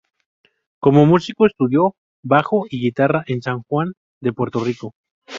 Como músico estudió bajo y guitarra en San Juan de Puerto Rico.